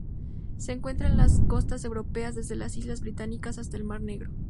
Se encuentra en las costas europeas, desde las islas británicas hasta el mar Negro.